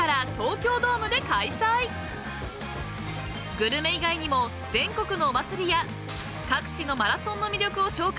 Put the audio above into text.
［グルメ以外にも全国のお祭りや各地のマラソンの魅力を紹介するトークステージ］